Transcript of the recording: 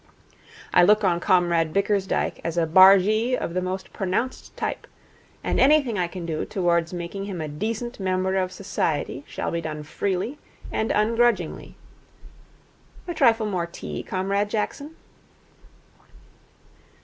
I look on Comrade Bickersdyke as a bargee of the most pronounced type; and anything I can do towards making him a decent member of Society shall be done freely and ungrudgingly. A trifle more tea, Comrade Jackson?'